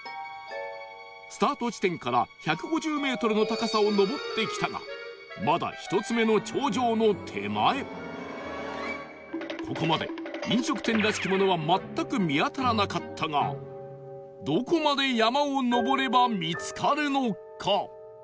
スタート地点から１５０メートルの高さを上ってきたがまだここまで飲食店らしきものは全く見当たらなかったがどこまで山を上れば見つかるのか？